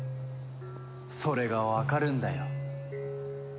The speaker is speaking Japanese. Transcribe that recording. それがわかるんだよ。